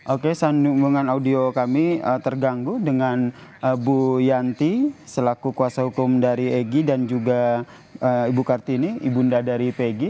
oke sambungan audio kami terganggu dengan bu yanti selaku kuasa hukum dari egy dan juga ibu kartini ibunda dari pg